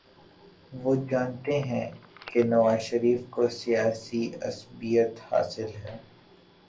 وہ جانتے ہیں کہ نواز شریف کو سیاسی عصبیت حاصل ہے۔